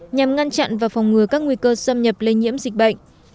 nhằm ngăn chặn và phòng ngừa các nguy cơ xâm nhập lây nhiễm dịch bệnh